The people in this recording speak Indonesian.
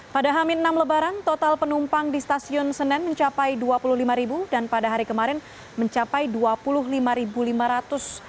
pada hamin enam lebaran total penumpang di stasiun senen mencapai dua puluh lima dan pada hari kemarin mencapai dua puluh lima lima ratus penumpang